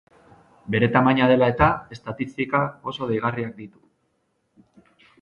Bere tamaina dela eta, estatistika oso deigarriak ditu.